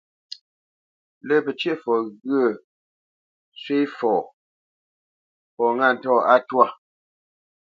Lə́ pəcə̂ʼfɔ ghyə̂ shwé fɔ, fɔ ŋâ ntɔ̂ á twâ.